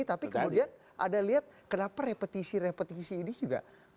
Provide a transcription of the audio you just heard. tapi kemudian ada lihat kenapa repetisi repetisi ini juga